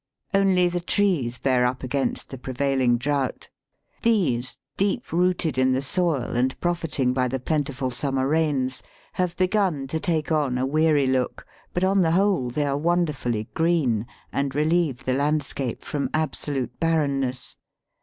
Only the trees bear up against the prevailing drought. These, deep rooted in the soil, and profiting by the plentiful summer rains, have begun to take on a weary look; but on the whole they are wonderfully green, and relieve the landscape from absolute barren ness.